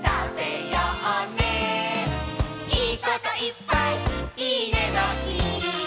「いいこといっぱいいいねの日」